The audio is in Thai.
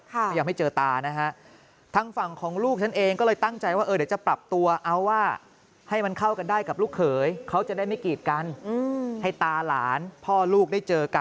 ไม่ยอมให้เจอตาทางฝั่งของลูกฉันเองก็เลยตั้งใจว่าเดี๋ยวจะปรับตัว